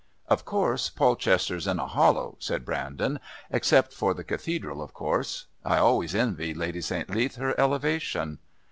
"Of course, Polchester's in a hollow," said Brandon. "Except for the Cathedral, of course. I always envy Lady St. Leath her elevation."